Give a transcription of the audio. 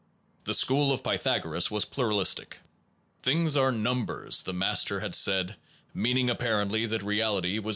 The school of Pythagoras was pluralistic. Things are numbers/ the master had said, meaning apparently that reality was made of 1 In H.